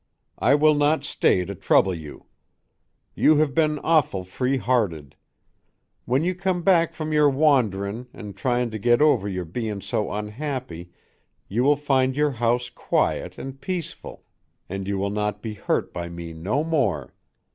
I will not stay to trouble you. You have ben awful free hearted. When you come back from your wanderin an tryin to get over your bein so unhappy you will find your house quiet an peaceful an you will not be hurt by me no more.